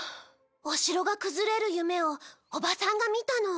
お城が崩れる夢をおばさんが見たの。